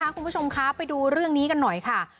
คุณผู้ชมคะไปดูเรื่องนี้กันหน่อยค่ะ